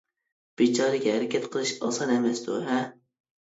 بىچارىگە ھەرىكەت قىلىش ئاسان ئەمەستۇ ھە؟ ؟.